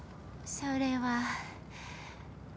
それは。